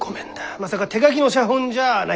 まさか手書きの写本じゃないだろうな？